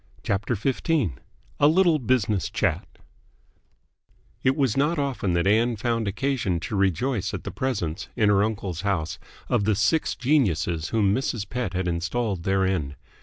CHAPTER XV A LITTLE BUSINESS CHAT It was not often that Ann found occasion to rejoice at the presence in her uncle's house of the six geniuses whom Mrs. Pett had installed therein.